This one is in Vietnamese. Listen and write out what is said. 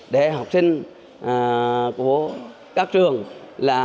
để học sinh của các trường phổ thông dân tộc